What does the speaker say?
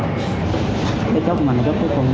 cái chốc của mình là chốc cuối cùng